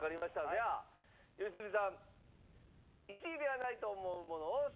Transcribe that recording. では良純さん１位ではないと思うものを指名してください。